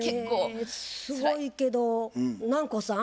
へえすごいけど南光さん。